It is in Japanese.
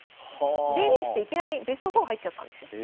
デビューしていきなりベスト４入っちゃったんですよ。